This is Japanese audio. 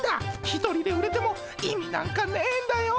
一人で売れても意味なんかねんだよ。